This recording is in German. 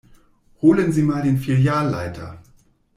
Holen Sie mal den Filialleiter.